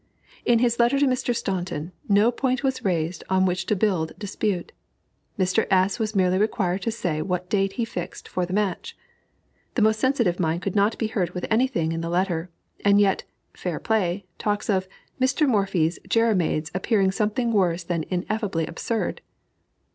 In his letter to Mr. Staunton, no point was raised on which to build dispute; Mr. S. was merely required to say what date he fixed for the match. The most sensitive mind could not be hurt with any thing in the letter, and yet "Fair Play" talks of "Mr. Morphy's jeremiads appearing something worse than ineffably absurd."